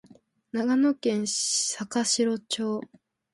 長野県坂城町